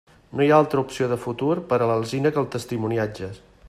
No hi ha altra opció de futur per a l'alzina que el testimoniatge.